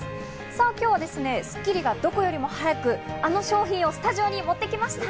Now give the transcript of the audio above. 今日『スッキリ』がどこよりも早く、あの商品をスタジオに持ってきました。